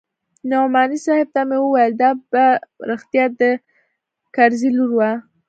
نعماني صاحب ته مې وويل دا په رښتيا د کرزي لور وه.